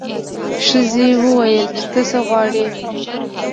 ښځې وویل چې ته څه غواړې.